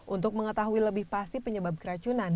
untuk mengetahui lebih pasti penyebab keracunan